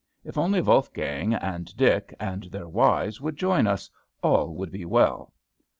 If only Wolfgang and Dick and their wives would join us, all would be well.